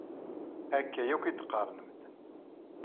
Akka yakk i d-qqaren medden.